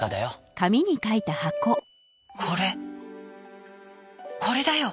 「これこれだよ